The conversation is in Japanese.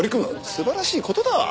素晴らしい事だ。